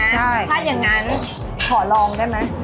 ถ้าอย่างนั้นขอลองได้ไหม